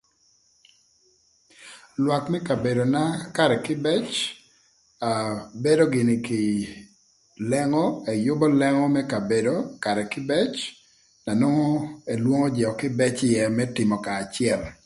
Lwak më kabedona karë kïbec aa bedo gïnï kï lengo ëyübö lengo më kabedo karë kïbëc na nwongo ecwodo jö kïbëc ïë më tïmö kanya acël.